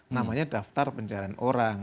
namanya daftar pencarian orang